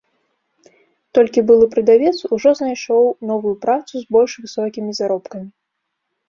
Толькі былы прадавец ужо знайшоў новую працу з больш высокімі заробкамі.